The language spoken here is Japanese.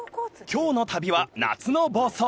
［今日の旅は夏の房総。